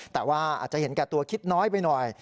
แต่ว่าอาจจะเห็นแก่ตัวคิดน้อยไปหน่อย